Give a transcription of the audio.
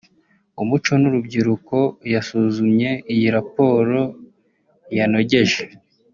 umuco n’urubyiruko yasuzumye iyi raporo yanogeje